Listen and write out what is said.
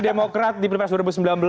pdip di ppr dua ribu sembilan belas